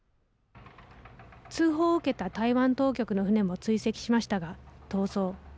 通報を受けた台湾当局の船も追跡しましたが逃走。